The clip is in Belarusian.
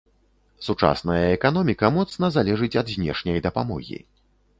Сучасная эканоміка моцна залежыць ад знешняй дапамогі.